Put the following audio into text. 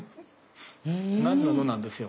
何なのなんですよ